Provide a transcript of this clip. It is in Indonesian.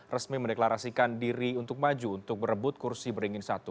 resmi mendeklarasikan diri untuk maju untuk berebut kursi beringin satu